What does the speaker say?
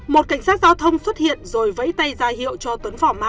một cảnh sát giao thông xuất hiện rồi vẫy tay ra hiệu cho tuấn phỏ má